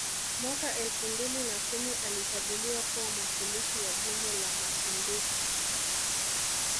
Mwaka elfu mbili na kumi alichaguliwa kuwa mwakilishi wa jimbo la Makunduchi